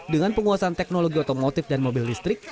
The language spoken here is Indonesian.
dengan penguasaan teknologi otomotif dan mobil listrik